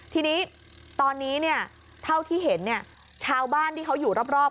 ทีนี้ตอนนี้เนี่ยเท่าที่เห็นเนี่ยชาวบ้านที่เขาอยู่รอบ